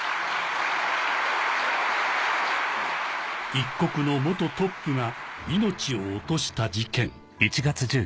一国の元トップが命を落とした事件